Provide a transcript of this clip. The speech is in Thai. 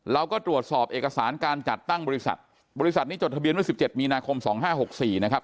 เราก็ตรวจสอบเอกสารการจัดตั้งบริษัทบริษัทนี้จดทะเบียนเมื่อ๑๗มีนาคม๒๕๖๔นะครับ